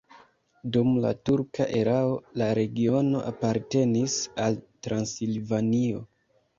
Dum la turka erao la regiono apartenis al Transilvanio.